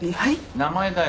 名前だよ。